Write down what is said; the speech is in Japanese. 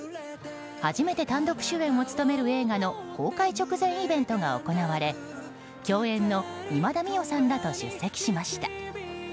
初めて単独主演を務める映画の公開直前イベントが行われ共演の今田美桜さんらと出席しました。